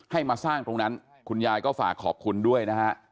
มาสร้างตรงนั้นคุณยายก็ฝากขอบคุณด้วยนะฮะ